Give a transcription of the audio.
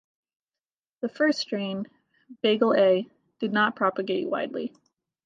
The first strain, Bagle.A, did not propagate widely.